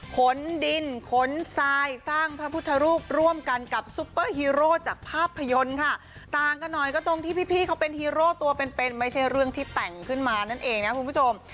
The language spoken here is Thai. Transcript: ขนดินขนทรายสร้างพระพุทธรูปร่วมกันกับซุปเปอร์ฮีโร่จากภาพยนตร์ค่ะต่างกันหน่อยก็ตรงที่พี่เขาเป็นฮีโร่ตัวเป็นเป็นไม่ใช่เรื่องที่แต่งขึ้นมานั่นเองนะคุณผู้ชม